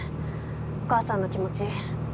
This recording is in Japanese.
お母さんの気持ち。